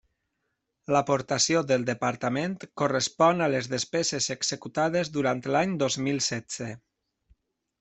L'aportació del Departament correspon a les despeses executades durant l'any dos mil setze.